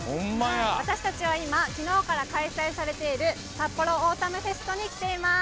私たちは今昨日から開催されているさっぽろオータムフェストに来ています。